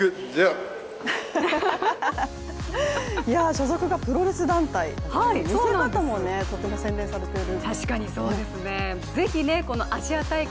所属がプロレス団体、見せ方もとても洗練されている。